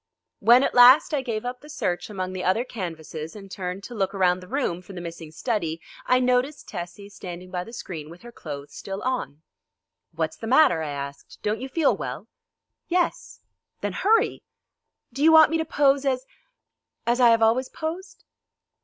When at last I gave up the search among the other canvases and turned to look around the room for the missing study I noticed Tessie standing by the screen with her clothes still on. "What's the matter," I asked, "don't you feel well?" "Yes." "Then hurry." "Do you want me to pose as as I have always posed?"